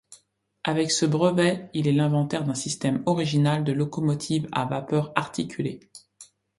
Avec ce brevet, il est l'inventeur d'un système original de locomotive à vapeur articulée.